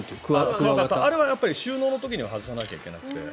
あれは収納の時には外さなきゃいけなくて。